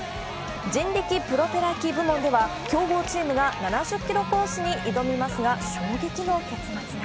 人力プロペラ機部門では、強豪チームが７０キロコースに挑みますが、衝撃の結末が。